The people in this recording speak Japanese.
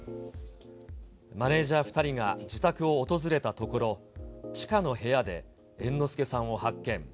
マネージャー２人が自宅を訪れたところ、地下の部屋で猿之助さんを発見。